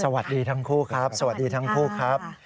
สวัสดีทั้งคู่ครับสวัสดีทั้งคู่ครับ